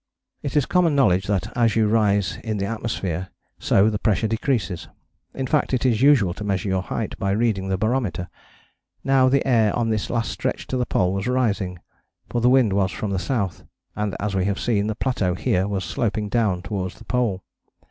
It is common knowledge that as you rise in the atmosphere so the pressure decreases: in fact, it is usual to measure your height by reading the barometer. Now the air on this last stretch to the Pole was rising, for the wind was from the south, and, as we have seen, the plateau here was sloping down towards the Pole.